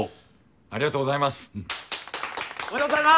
ありがとうございます。